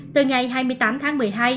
từ ngày hai mươi tám tháng một mươi hai